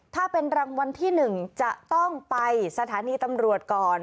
ถ้าเป็นรางวัลที่๑จะต้องไปสถานีตำรวจก่อน